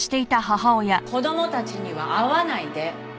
子供たちには会わないで。